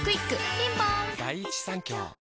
ピンポーン